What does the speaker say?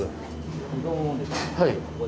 うどんをですね